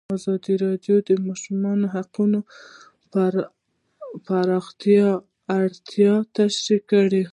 ازادي راډیو د د ماشومانو حقونه د پراختیا اړتیاوې تشریح کړي.